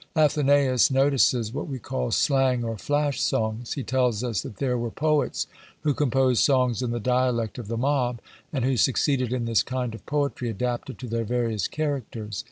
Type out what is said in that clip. AthenÃḊus notices what we call slang or flash songs. He tells us that there were poets who composed songs in the dialect of the mob; and who succeeded in this kind of poetry, adapted to their various characters.